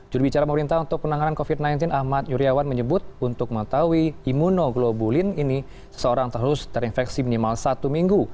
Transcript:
jurubicara pemerintah untuk penanganan covid sembilan belas ahmad yuryawan menyebut untuk mengetahui imunoglobulin ini seseorang terus terinfeksi minimal satu minggu